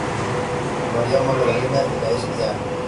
Maria Magdalena y de Sta.